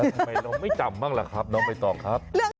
ทำไมน้องไม่จำบ้างหรือครับน้องไปต่อครับ